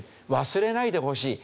忘れないでほしい。